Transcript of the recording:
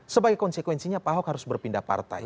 sebagai konsekuensinya pak ahok harus berpindah partai